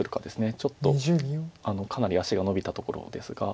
ちょっとかなり足がのびたところですが。